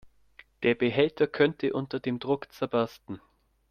Der Behälter könnte unter dem Druck zerbersten.